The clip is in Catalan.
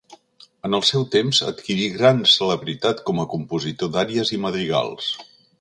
En el seu temps adquirí gran celebritat com a compositor d'àries i madrigals.